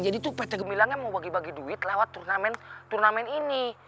jadi tuh pt gemilangnya mau bagi bagi duit lewat turnamen turnamen ini